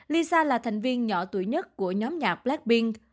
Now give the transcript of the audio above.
lisa là thành viên nhỏ tuổi nhất của nhóm nhạc blackpink